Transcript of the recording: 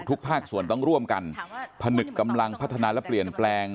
ภาคส่วนต้องร่วมกันผนึกกำลังพัฒนาและเปลี่ยนแปลง